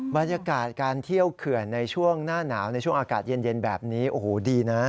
บรรยากาศการเที่ยวเขื่อนในช่วงหน้าหนาวในช่วงอากาศเย็นแบบนี้โอ้โหดีนะ